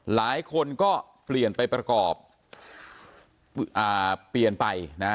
หลายคนก็เปลี่ยนไปประกอบเปลี่ยนไปนะ